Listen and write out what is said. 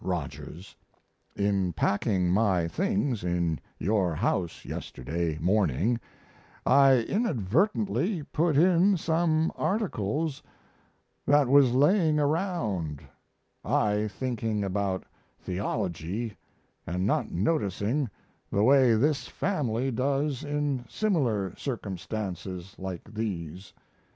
ROGERS, In packing my things in your house yesterday morning I inadvertently put in some articles that was laying around, I thinking about theology & not noticing, the way this family does in similar circumstances like these.